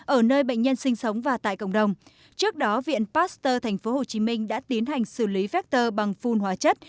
ở nơi bệnh nhân sinh sống và tại cộng đồng trước đó viện pasteur tp hcm đã tiến hành xử lý vector bằng phun hóa chất